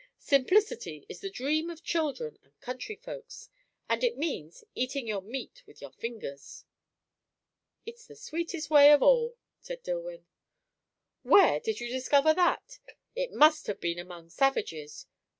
Simplicity is the dream of children and country folks; and it means, eating your meat with your fingers." "It's the sweetest way of all," said Dillwyn. "Where did you discover that? It must have been among savages.